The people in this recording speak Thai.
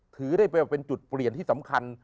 ถือได้ว่าเป็นจุดเปลี่ยนที่สำคัญ